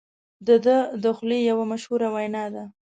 د ده د خولې یوه مشهوره وینا ده.